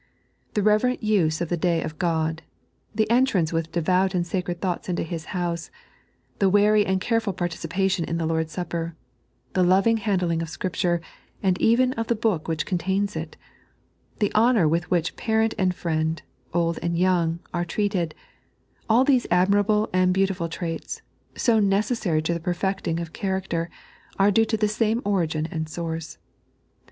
The reverent use of the Day of God ; the entrance with devout and eacred thoughts into His House ; the wary and careful participation in the Lord's Supper; the loving handling of Scripture, and even of the Book which contains it; the honour with which parent and friend, old and young, are treated — all these admirable and beautiful traits, so oecessary to the perfecting of character, are due to the same origin and source.